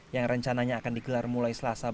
yang rencananya akan digelar mulai selasa